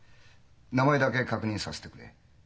名前だけ確認させてくれ。